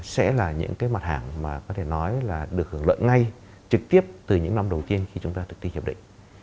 sẽ là những cái mặt hàng mà có thể nói là được hưởng lợi ngay trực tiếp từ những năm đầu tiên khi chúng ta thực thi hiệp định